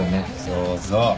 そうそう！